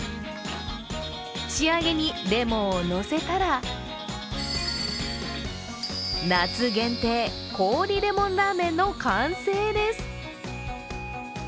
仕上げにレモンをのせたら、夏限定、氷レモンラーメンの完成です。